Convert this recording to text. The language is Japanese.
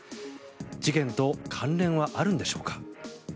事件と関連はあるんでしょうか。